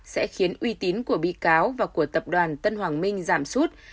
sẽ khiến uy tín của bị cáo và của tập đoàn tân hoàng minh giảm sút